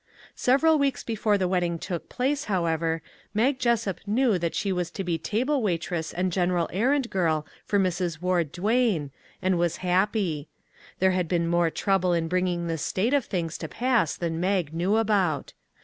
Several weeks before the wedding took place, however, Mag Jessup knew that she was to be table waitress and general errand girl for Mrs. Ward Duane, and was happy. There had been more trouble in bringing this state of things to pass than Mag knew about.